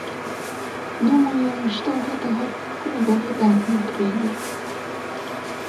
Думаю, што ў гэтага клуба выдатны трэнер.